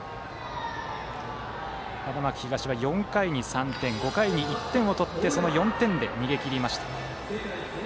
花巻東は４回に３点５回に１点を取ってその４点で逃げ切りました。